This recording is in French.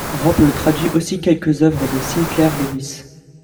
Robles traduit aussi quelques œuvres de Sinclair Lewis.